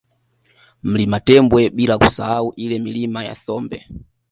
Mlima Tembwe bila kusahau ile Milima ya Thombe